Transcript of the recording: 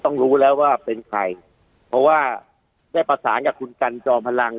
รู้แล้วว่าเป็นใครเพราะว่าได้ประสานกับคุณกันจอมพลัง